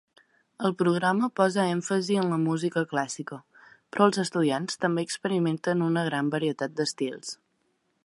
El programa posa èmfasi en la música clàssica, però els estudiants també experimenten una gran varietat d'estils.